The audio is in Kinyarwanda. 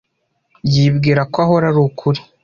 Yibwira ko ahora ari ukuri.